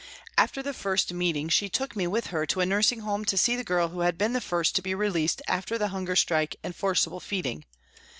After the first meeting she took me with her to a nursing home to see the girl who had been the first to be released after the hunger strike and forcible feeding.